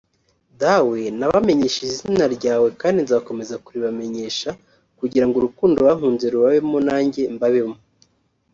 Dawe nabamenyesheje izina ryawe kandi nzakomeza kuribamenyesha kugira ngo urukundo wankunze rubabemo najye mbabemo